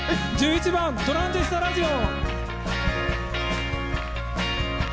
１１番「トランジスタ・ラジオ」。